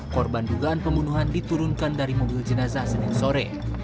korban dugaan pembunuhan diturunkan dari mobil jenazah senin sore